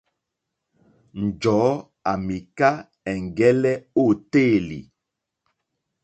Njɔ̀ɔ́ à mìká ɛ̀ŋgɛ́lɛ́ ô téèlì.